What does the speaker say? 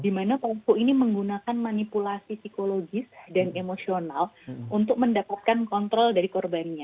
di mana pelaku ini menggunakan manipulasi psikologis dan emosional untuk mendapatkan kontrol dari korbannya